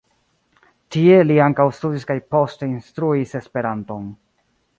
Tie li ankaŭ studis kaj poste instruis Esperanton.